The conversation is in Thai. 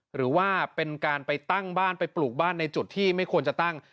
หรือว่าเป็นการไปตั้งบ้านไปปลูกบ้านในจุดที่ไม่ควรจะตั้ง